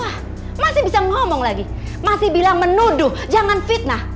ah masih bisa ngomong lagi masih bilang menuduh jangan fitnah